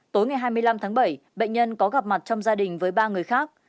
tối ngày hai mươi năm tháng bảy bệnh nhân có gặp mặt trong gia đình với ba người khác